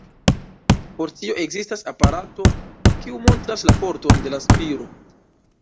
Por tio ekzistas aparato, kiu montras la forton de la spiro.